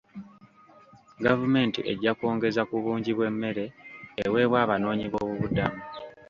Gavumenti ejja kwongeza ku bungi bw'emmere eweebwa abanoonyi b'obubuddamu.